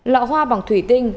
lọ hoa bằng thủy tinh